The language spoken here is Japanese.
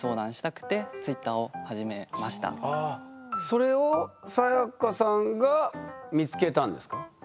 それをサヤカさんが見つけたんですか？